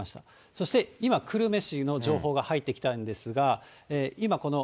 そして今、久留米市の情報が入ってきたんですが、今、この。